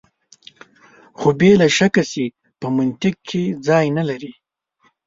خو بې له شکه چې په منطق کې ځای نه لري.